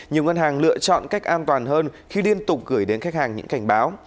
nhiều ngân hàng lựa chọn cách an toàn hơn khi liên tục gửi đến khách hàng những cảnh báo